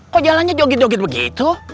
kok jalannya joget joget begitu